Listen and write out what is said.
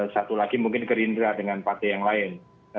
satu lagi mungkin gerindra dengan partai yang lain